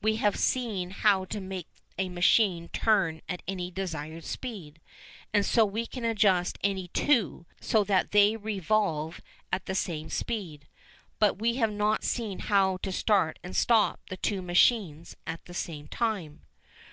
We have seen how to make a machine turn at any desired speed, and so we can adjust any two, so that they revolve at the same speed, but we have not seen how to start and stop the two machines at the same time.